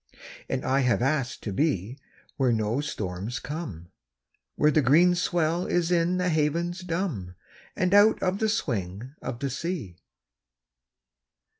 And I have asked to be Where no storms come, Where the green swell is in the havens dumb, And out of the swing of the sea.